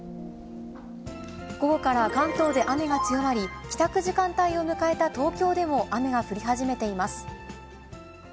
午後から関東で雨が強まり、帰宅時間帯を迎えた東京でも雨が降り始めています。